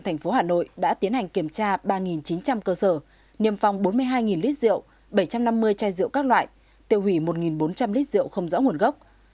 thành phố hà nội đã tiến hành kiểm tra ba chín trăm linh cơ sở niêm phong bốn mươi hai lít rượu bảy trăm năm mươi chai rượu các loại tiêu hủy một bốn trăm linh lít rượu không rõ nguồn gốc